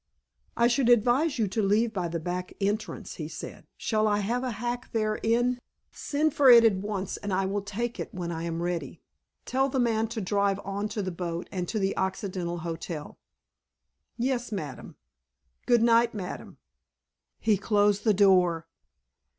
"I should advise you to leave by the back entrance," he said. "Shall I have a hack there in " "Send for it at once and I will take it when I am ready. Tell the man to drive on to the boat and to the Occidental Hotel." "Yes, Madame. Good night, Madame." He closed the door.